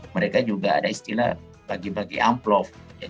mereka juga ada istilah bagi bagi amplop